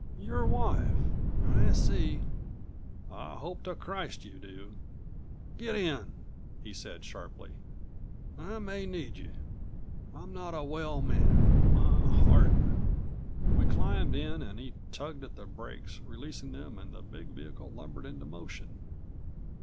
"Your wife. I see...." "I hope to Christ you do " "Get in!" he said sharply. "I may need you. I'm not a well man. My heart " We climbed in and he tugged at the brakes, releasing them and the big vehicle lumbered into motion.